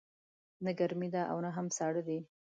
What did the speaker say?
نه ګرمې ده او نه هم ساړه دی